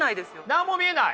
何も見えない？